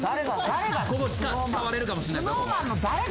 ここ使われるかもしんないですよ